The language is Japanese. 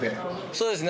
そうですね。